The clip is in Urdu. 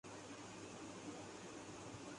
ستر سال لگے ہیں۔